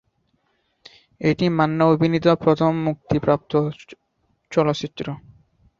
এটি মান্না অভিনীত প্রথম মুক্তি প্রাপ্ত চলচ্চিত্র।